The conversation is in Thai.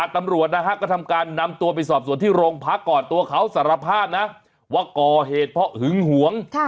ตำรวจนะฮะก็ทำการนำตัวไปสอบส่วนที่โรงพักก่อนตัวเขาสารภาพนะว่าก่อเหตุเพราะหึงหวง